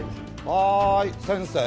はーい先生。